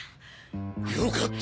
よかった。